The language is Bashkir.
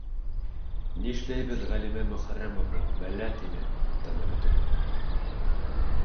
Нишләйбеҙ, Ғәлимә Мөхәррәмовна, бәлә! - тине тыны бөтөп.